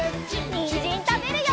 にんじんたべるよ！